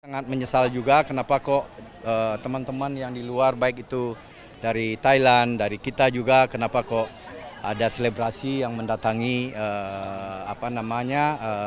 sangat menyesal juga kenapa kok teman teman yang di luar baik itu dari thailand dari kita juga kenapa kok ada selebrasi yang mendatangi apa namanya